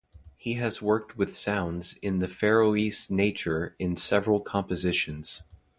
He has worked with sounds in the Faroese nature in several compositions.